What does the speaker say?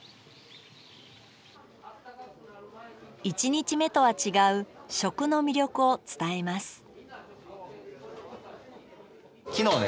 一日目とは違う食の魅力を伝えます